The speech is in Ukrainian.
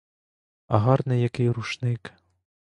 А гарний який рушник!